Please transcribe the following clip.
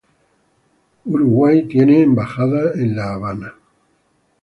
Uruguay tiene una embajada en La Habana.